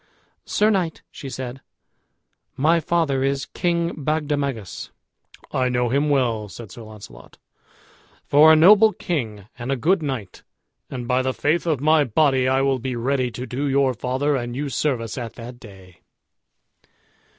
"Sir knight," she said, "my father is King Bagdemagus." "I know him well," said Sir Launcelot, "for a noble king and a good knight; and, by the faith of my body, I will be ready to do your father and you service at that day."